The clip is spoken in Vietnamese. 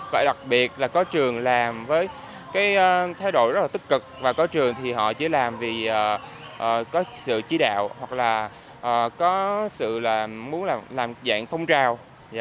và đặc biệt là có trường làm với cái thay đổi rất là tích cực và có trường thì họ chỉ làm vì có sự chỉ đạo hoặc là có sự là muốn là làm dạng phong trào